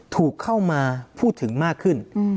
ถูกเข้ามาพูดถึงมากขึ้น